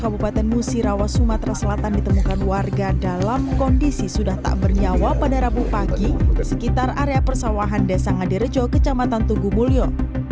kabupaten musirawa sumatera selatan ditemukan warga dalam kondisi sudah tak bernyawa pada rabu pagi di sekitar area persawahan desa ngadirejo kecamatan tugu mulyo